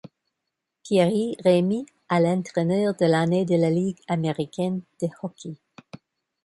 Pieri remis à l'entraîneur de l'année de la Ligue américaine de hockey.